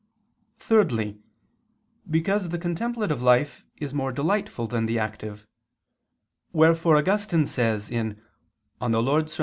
Thirdly, because the contemplative life is more delightful than the active; wherefore Augustine says (De Verb.